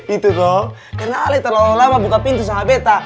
itu dong karena ali terlalu lama buka pintu sama betta